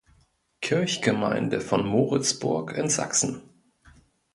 Kirchgemeinde von Moritzburg in Sachsen.